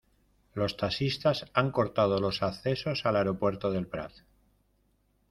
Los taxistas han cortado los accesos al aeropuerto de El Prat.